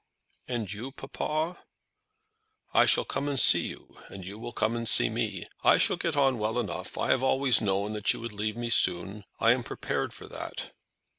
"And you, papa?" "I shall come and see you, and you will come and see me. I shall get on well enough. I have always known that you would leave me soon. I am prepared for that."